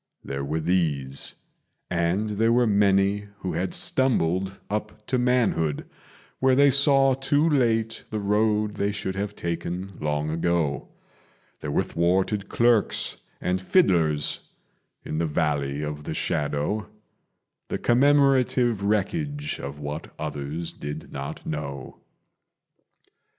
There were these, and there were many who had stumbled up to manhood, Where they saw too late the road they should have taken long ago: There were thwarted clerks and fiddlers in the Valley of the Shadow, The commemorative wreckage of what others did not know.